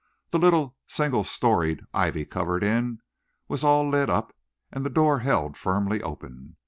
The little, single storey, ivy covered inn was all lit up and the door held firmly open.